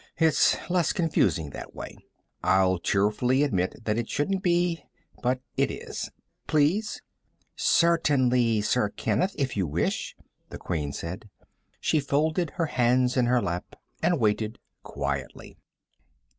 It's less confusing that way. I'll cheerfully admit that it shouldn't be but it is. Please?" "Certainly, Sir Kenneth, if you wish," the Queen said. She folded her hands in her lap and waited quietly.